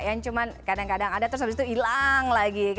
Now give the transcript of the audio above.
yang cuma kadang kadang ada terus habis itu hilang lagi